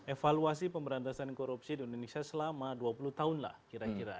evaluasi pemberantasan korupsi di indonesia selama dua puluh tahun lah kira kira